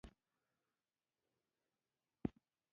اختر پټ مېړه نه دی متل د اختر ارزښت ښيي